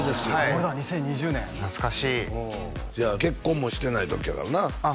これが２０２０年懐かしいじゃあ結婚もしてない時やからなああ